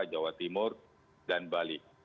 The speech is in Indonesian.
jawa timur dan bali